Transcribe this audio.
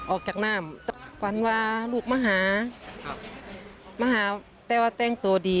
ออกจากน้ำฝันว่าลูกมาหามาหาแต่ว่าแต่งตัวดี